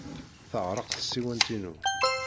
Teɛreq tsiwant-inu.